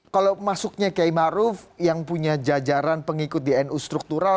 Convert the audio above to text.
kalau masuknya kiai maruf yang punya jajaran pengikut di nu struktural